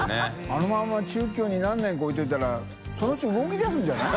あのまま中京に何年か置いておいたらそのうち動き出すんじゃない？